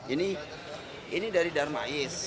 ini dari darmais